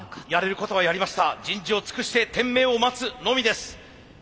人事を尽くして天命を待つのみです。